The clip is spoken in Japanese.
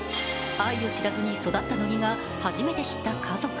愛を知らずに育った乃木が初めて知った家族。